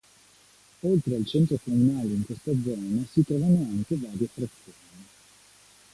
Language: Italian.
Oltre al centro comunale in questa zona si trovano anche varie frazioni.